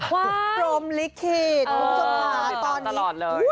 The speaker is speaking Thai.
ครับปรมลิขีดคุณผู้ชมภาพตอนนี้ติดต่อตลอดเลย